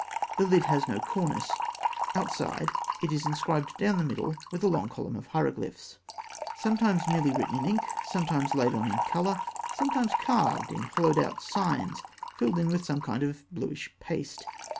The lid has no cornice. Outside, it is inscribed down the middle with a long column of hieroglyphs, sometimes merely written in ink, sometimes laid on in colour, sometimes carved in hollowed out signs filled in with some kind of bluish paste.